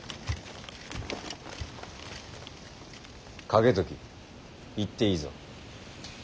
景時行っていいぞ。